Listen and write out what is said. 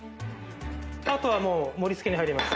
あとは盛り付けに入ります。